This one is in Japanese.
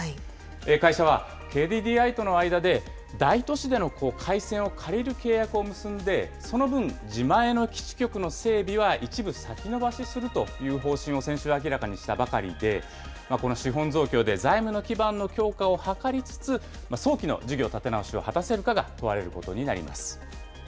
会社はＫＤＤＩとの間で、大都市での回線を借りる契約を結んで、その分、自前の基地局の整備は一部先延ばしするという方針を先週明らかにしたばかりで、この資本増強で財務の基盤の強化を図りつつ、早期の事業立て直しを果たせるかが問われることになります。